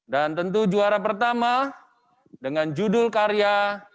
dan tentu juara pertama dengan judul karya